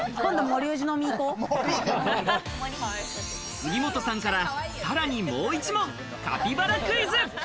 杉本さんから、さらにもう１問、カピバラクイズ。